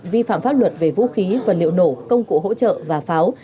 vi phạm pháp luật về vũ khí vật liệu nổ công cụ hỗ trợ và pháo